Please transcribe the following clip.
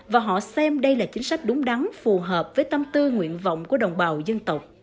và họ xem đây là chính sách đúng đắn phù hợp với tâm tư nguyện vọng của đồng bào dân tộc